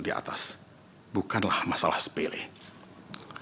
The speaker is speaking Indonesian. dan masalah itu akan lebih berkaitan dengan masalah yang dikenakan oleh bapak aslu